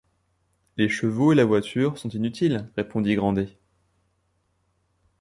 Les chevaux et la voiture sont inutiles, répondit Grandet.